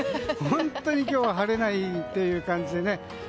本当に晴れないという感じでね。